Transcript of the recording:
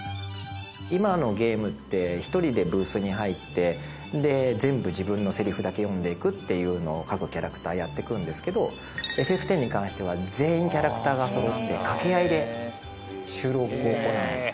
今のゲームって１人でブースに入って全部、自分のセリフだけ読んでいくっていうのを各キャラクターやっていくんですけど『ＦＦⅩ』に関しては全員キャラクターがそろって掛け合いで収録を行うんですよ。